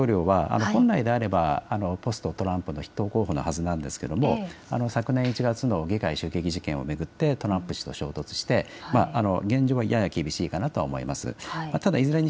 ペンス副大統領は本来であればポスト・トランプの筆頭候補のはずなんですが昨年１月の議会襲撃事件を巡ってトランプ氏と衝突して現状はやや厳しいかなと思います。